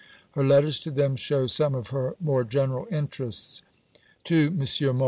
Her letters to them show some of her more general interests: (_To M. Mohl.